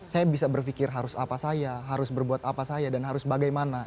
saya bisa berpikir harus apa saya harus berbuat apa saya dan harus bagaimana